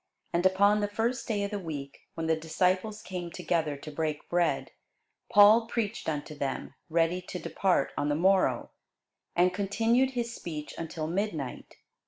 And upon the first day of the week, when the disciples came together to break bread, Paul preached unto them, ready to depart on the morrow; and continued his speech until midnight.